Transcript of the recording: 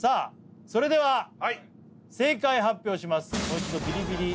それでは正解発表します